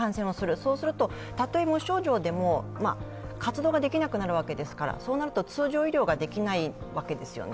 そうするとたとえ無症状でも活動ができなくなるわけですからそうなると通常医療ができないわけですよね。